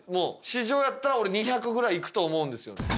市場やったら俺２００ぐらいいくと思うんですよ。